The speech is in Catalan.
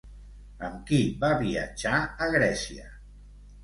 Amb qui va viatjar a Grècia?